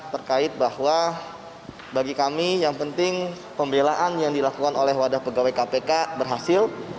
terkait bahwa bagi kami yang penting pembelaan yang dilakukan oleh wadah pegawai kpk berhasil